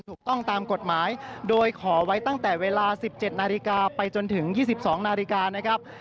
ถูกต้องตามกฎหมายโดยขอไว้ตั้งแต่เวลา๑๗นาฬิกาไปจนถึง๒๒นาฬิกานะครับ